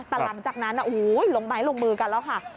แต่หลังจากนั้นลงไม้ลงมือกันแล้วค่ะ